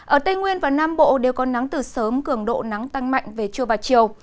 ở tây nguyên và nam bộ đều có nắng từ sớm cường độ nắng tăng mạnh về trưa và chiều